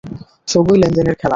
সবই লেনদেনের খেলা!